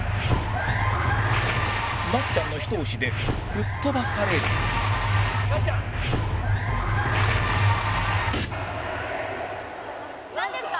なっちゃんのひと押しで吹っ飛ばされるなんですか？